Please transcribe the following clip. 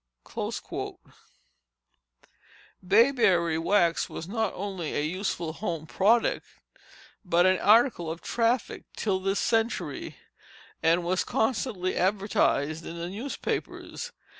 Bayberry wax was not only a useful home product, but an article of traffic till this century, and was constantly advertised in the newspapers.